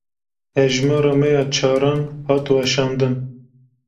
Hejmara me ya çaran hat weşandin.